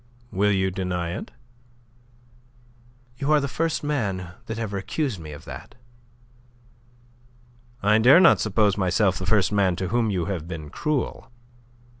"Will you deny it?" "You are the first man that ever accused me of that." "I dare not suppose myself the first man to whom you have been cruel.